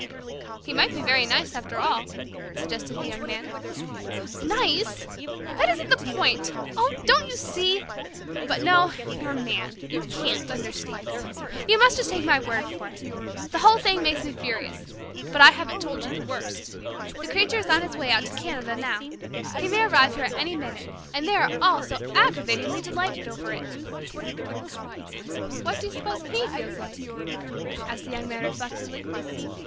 "He might be very nice after all," suggested the Young Man. "Nice! That isn't the point. Oh, don't you see? But no, you're a man you can't understand. You must just take my word for it. The whole thing makes me furious. But I haven't told you the worst. The Creature is on his way out to Canada now. He may arrive here at any minute. And they are all so aggravatingly delighted over it." "What do you suppose he feels like?" asked the Young Man reflectively.